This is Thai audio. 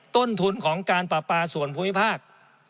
ต้นทุนของการปราปาส่วนภูมิภาค